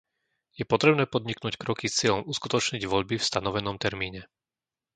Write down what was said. Je potrebné podniknúť kroky s cieľom uskutočniť voľby v stanovenom termíne.